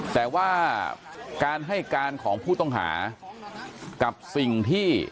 แต่ว่าการให้การของผู้ต้องหากับสิ่งที่